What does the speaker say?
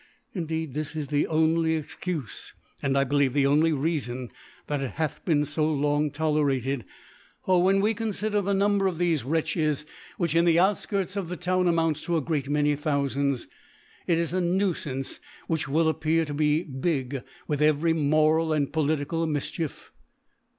Indeed this is the only Ex cufe, and I believe the only Reaibn, that it hath been {o long tolerated : for when we confider the Number of thefe Wretches, which, in the Out*£kirts of the Town, a« mounts to a great many Thoufands*, it is a Naifaoce which will appear to be big with every moral and political Mifchief.